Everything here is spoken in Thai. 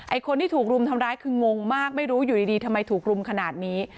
คนที่ถูกรุมทำร้ายคืองงมากไม่รู้อยู่ดีทำไมถูกรุมขนาดนี้